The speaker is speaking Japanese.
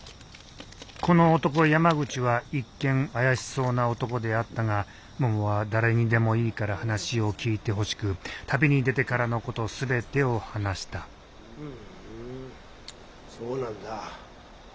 この男山口は一見怪しそうな男であったがももは誰にでもいいから話を聞いてほしく旅に出てからのこと全てを話したふんそうなんだ。